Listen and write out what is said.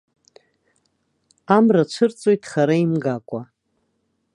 Амра цәырҵуеит хара имгакәа.